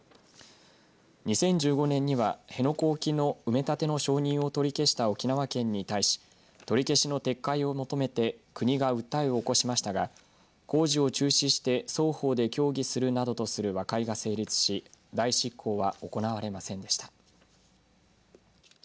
２０１５年には辺野古沖の埋め立ての承認を取り消した沖縄県に対し取り消しの撤回を求めて国が訴えを起こしましたが工事を中止して双方で協議するなどとする和解が成立し代執行は行われませんでした。